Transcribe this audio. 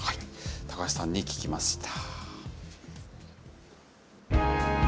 高橋さんに聞きました。